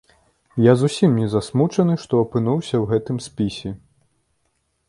Я зусім не засмучаны, што апынуўся ў гэтым спісе.